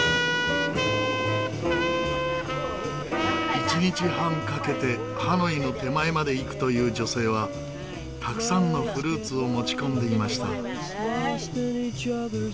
一日半かけてハノイの手前まで行くという女性はたくさんのフルーツを持ち込んでいました。